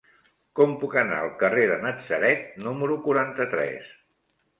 Com puc anar al carrer de Natzaret número quaranta-tres?